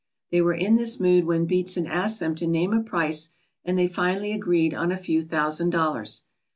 They were in this mood when Beatson asked them to name a price, and they finally agreed on a few thousand dollars.